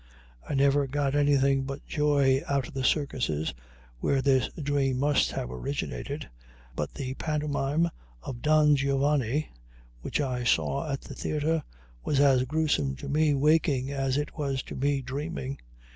I never got anything but joy out of the circuses where this dream must have originated, but the pantomime of "Don Giovanni," which I saw at the theater, was as grewsome to me waking as it was to me dreaming.